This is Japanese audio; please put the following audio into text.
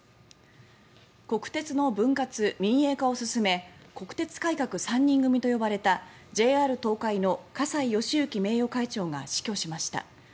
国鉄の分割民営化を進め国鉄改革３人組と呼ばれたＪＲ東海の葛西敬之名誉会長が死去しました。